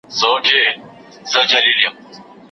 کشپ نه لري داهسي کمالونه